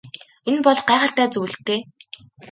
Энэ бол гайхалтай зүйл л дээ.